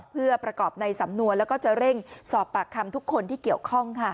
เพื่อประกอบในสำนวนแล้วก็จะเร่งสอบปากคำทุกคนที่เกี่ยวข้อง